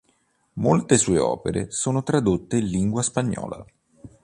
Molte sue opere sono tradotte in lingua spagnola.